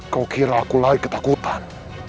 kau kira aku lagi ketakutan